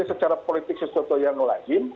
secara politik sesuatu yang lazim